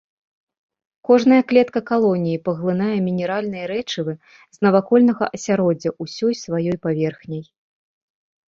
Кожная клетка калоніі паглынае мінеральныя рэчывы з навакольнага асяроддзя ўсёй сваёй паверхняй.